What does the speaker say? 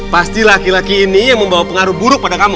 pasti laki laki ini yang membawa pengaruh buruk pada kamu